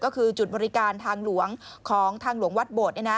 ก็คือจุดบริการทางหลวงของทางหลวงวัดโบด